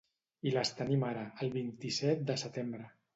I les tenim ara, el vint-i-set de setembre.